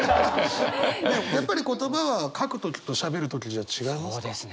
やっぱり言葉は書く時としゃべる時じゃ違いますか？